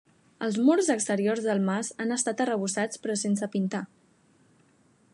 Els murs exteriors del mas han estat arrebossats però sense pintar.